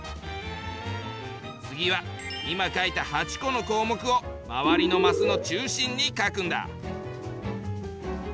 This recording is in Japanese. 次は今書いた８個の項目を周りのマスの中心に書くんだ。